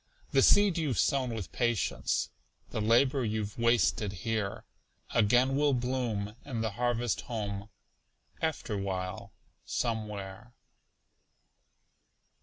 The seed you've sown with patience, The labor you've wasted here, Again will bloom in the harvest home, Afterwhile, somewhere.